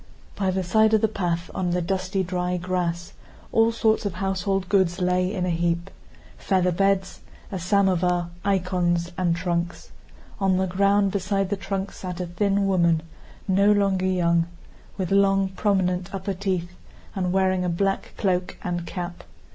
By the side of the path, on the dusty dry grass, all sorts of household goods lay in a heap: featherbeds, a samovar, icons, and trunks. On the ground, beside the trunks, sat a thin woman no longer young, with long, prominent upper teeth, and wearing a black cloak and cap.